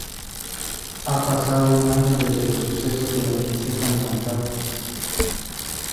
Ha pasado un año desde los sucesos de La princesa encantada.